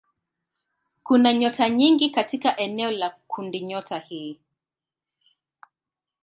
Kuna nyota nyingi katika eneo la kundinyota hii.